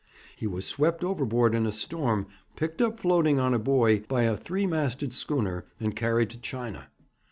He was swept overboard in a storm, picked up floating on a buoy by a three masted schooner, and carried to China.